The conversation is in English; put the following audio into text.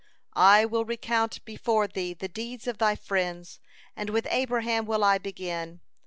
"I will recount before Thee the deeds of Thy friends, and with Abraham will I begin.